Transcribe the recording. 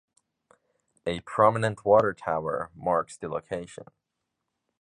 A prominent water tower marks the location.